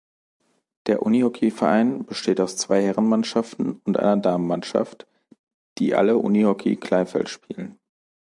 Der Unihockeyverein besteht aus zwei Herrenmannschaften und einer Damenmannschaft, die alle Unihockey Kleinfeld spielen.